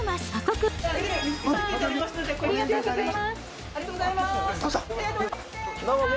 ありがとうございます。